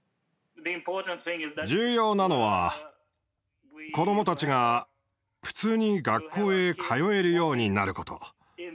重要なのは子どもたちが普通に学校へ通えるようになること